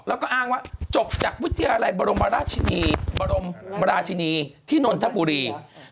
แล้วก็อ้างว่าจบจากวิทยาลัยบรมราชินีบรมราชินีที่นนทบุรี